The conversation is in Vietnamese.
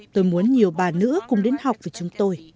tôi muốn nhiều bà nữa cùng đến học với chúng tôi